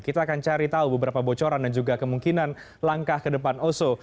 kita akan cari tahu beberapa bocoran dan juga kemungkinan langkah ke depan oso